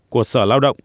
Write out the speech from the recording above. cổ sở lao động